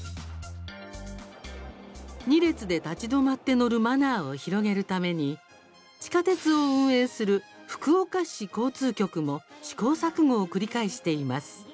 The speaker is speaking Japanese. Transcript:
２列で立ち止まって乗るマナーを広げるために地下鉄を運営する福岡市交通局も試行錯誤を繰り返しています。